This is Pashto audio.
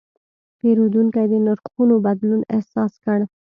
پیرودونکی د نرخونو بدلون احساس کړ.